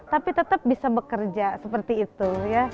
tapi tetap bisa bekerja seperti itu ya